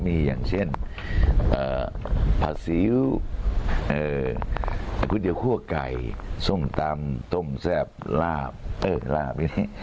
มีอย่างเช่นผัดซีวกรุ๊ดเยาหรือขั่วไก่ซูมตำต้มแซ่บราบ